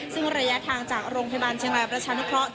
ซึ่งระยะทางจากโรงพยาบาลเชียงรายประชานุเคราะห์